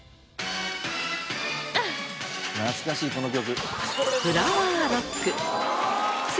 懐かしいこの曲。